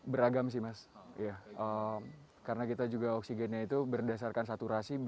beragam sih mas karena kita juga oksigennya itu berdasarkan saturasi